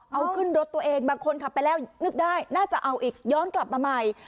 เอาขึ้นรถตัวเองบางคนขับไปแล้วนึกได้น่าจะเอาอีกย้อนกลับมาใหม่